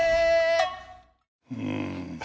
うん